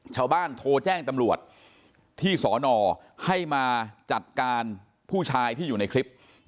ชาวบ้านโทรแจ้งตำรวจที่สอนอให้มาจัดการผู้ชายที่อยู่ในคลิป